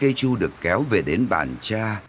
cây chu được kéo về đến bàn cha